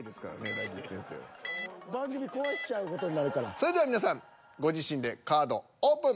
それでは皆さんご自身でカードオープン！